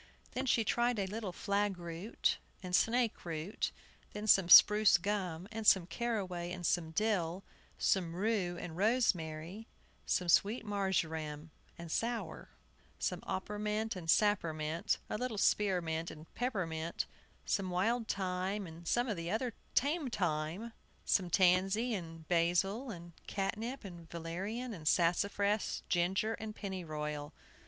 Then she tried a little flagroot and snakeroot, then some spruce gum, and some caraway and some dill, some rue and rosemary, some sweet marjoram and sour, some oppermint and sappermint, a little spearmint and peppermint, some wild thyme, and some of the other tame time, some tansy and basil, and catnip and valerian, and sassafras, ginger, and pennyroyal.